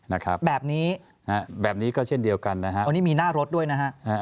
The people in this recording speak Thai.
นะครับแบบนี้ก็เช่นเดียวกันนะครับอันนี้มีหน้ารถด้วยนะครับ